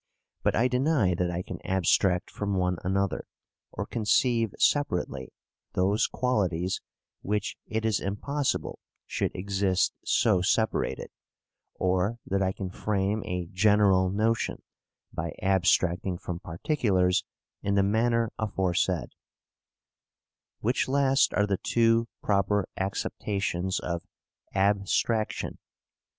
But I deny that I can abstract from one another, or conceive separately, those qualities which it is impossible should exist so separated; or that I can frame a general notion, by abstracting from particulars in the manner aforesaid which last are the two proper acceptations of ABSTRACTION.